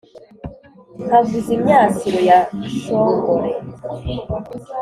nkavuza imyasiro ya shongore